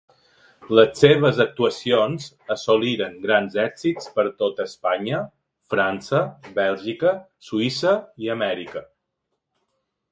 Les seves actuacions assoliren grans èxits per tota Espanya, França, Bèlgica, Suïssa i Amèrica.